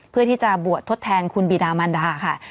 เพื่อที่จะบวชทดแทนคุณบีดามันดาค่ะ